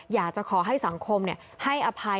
อยากจะขอให้สังคมให้อภัย